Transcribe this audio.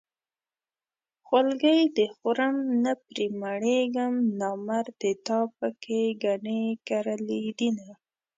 خولګۍ دې خورم نه پرې مړېږم نامردې تا پکې ګني کرلي دينه